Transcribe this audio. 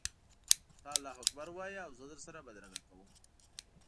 ته الله اکبر ووایه او زه در سره بدرګه کوم.